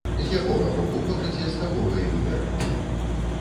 З якога боку хочаце, з такога і выбірайце.